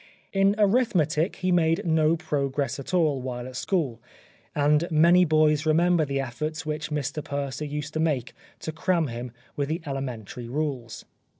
In arithmetic he made no progress at all while at school, and many boys remember the efforts which Mr Purser used to make to cram him with the elementary rules.